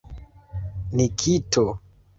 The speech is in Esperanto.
Nikito!